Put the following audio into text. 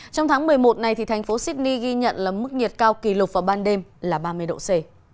trong tháng một mươi một này thành phố sydney ghi nhận mức nhiệt cao kỷ lục vào ban đêm là ba mươi độ c